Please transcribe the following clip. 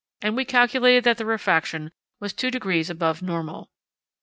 and we calculated that the refraction was 2° above normal.